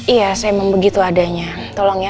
iya saya emang begitu adanya tolong ya